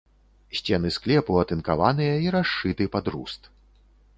Сцены склепу атынкаваныя і расшыты пад руст.